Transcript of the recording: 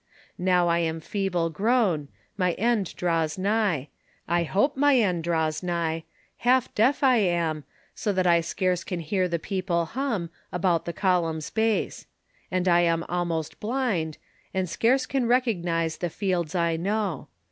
Now I am feeble grown; my end draws nigh — I hope my end draws nigh: half deaf I am. So that I scarce can hear the people hum About the column's base; and I am almost blind, And scarce can recognize the fields I know.